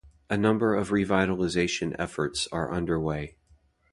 A number of revitalization efforts are underway.